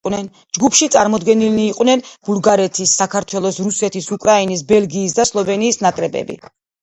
ჯგუფში წარმოდგენილნი იყვნენ ბულგარეთის, საქართველოს, რუსეთის, უკრაინის, ბელგიის და სლოვენიის ნაკრებები.